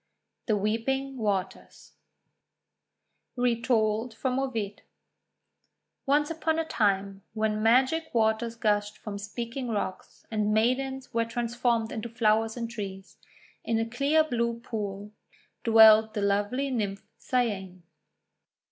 THE WEEPING WATERS Retold from Ovid ONCE upon a time, when Magic Waters gushed from Speaking Rocks, and maidens were trans formed into flowers and trees, in a clear blue pool dwelt the lovely Nymph Cyane.